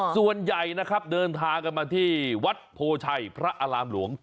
ส่วนใหญ่นะครับเดินทางกันมาที่วัดโพชัยพระอารามหลวง